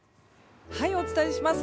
お伝えします。